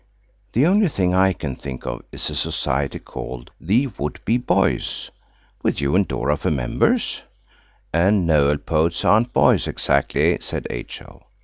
The only thing I can think of is a society called the Would be Boys." "With you and Dora for members." "And Noël–poets aren't boys exactly," said H.O.